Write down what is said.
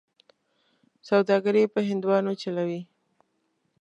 سوداګري په هندوانو چلوي.